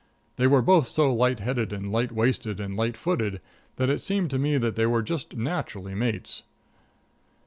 They were both so light headed and light waisted and light footed that it seemed to me that they were just naturally mates.